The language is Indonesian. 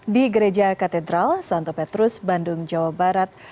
di gereja katedral santo petrus bandung jawa barat